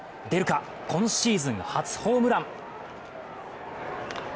出るか、今シーズン初ホームラン。